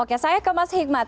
oke saya ke mas hikmat